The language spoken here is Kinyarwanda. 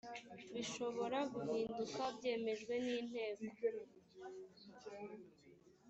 bishobora guhinduka byemejwe n inteko